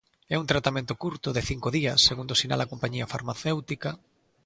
É un tratamento curto, de cinco días, segundo sinala a compañía farmacéutica.